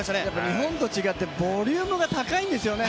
日本と違ってボリュームが高いんですよね。